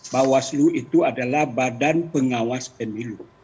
bawaslu itu adalah badan pengawas pemilu